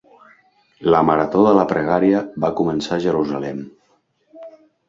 La marató de la pregària va començar a Jerusalem.